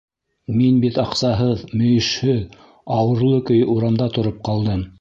Мин бит аҡсаһыҙ, мөйөшһөҙ, ауырлы көйө урамда тороп ҡалдым.